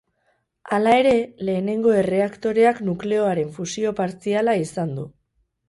Hala ere, lehenengo erreaktoreak nukleoaren fusio partziala izan du.